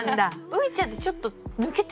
羽衣ちゃんってちょっと。